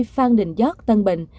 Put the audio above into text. hai mươi hai phan đình gióc tân bình